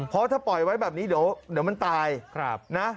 เพราะถ้าปล่อยไว้แบบนี้เดี๋ยวมันตายนะ